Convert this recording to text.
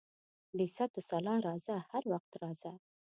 بې ست وسلا راځه، هر وخت راځه.